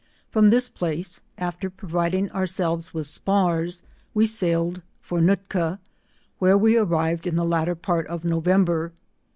Firom this place, after providing ourselves with spars, we sailed for Nootka, where we arrived in the latter part of November.